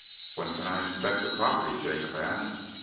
"When can I inspect the property?" Jacob asked.